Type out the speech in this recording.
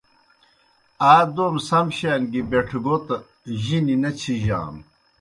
آ دَوم سم شان گیْ بِٹھگَوْت جِنیْ نہ چِھجانوْ۔